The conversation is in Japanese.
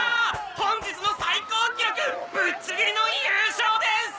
本日の最高記録ぶっちぎりの優勝です！